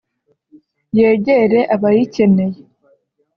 yegere abayikeneye”